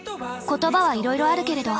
言葉はいろいろあるけれど。